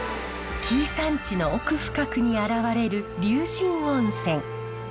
紀伊山地の奥深くに現れる龍神温泉。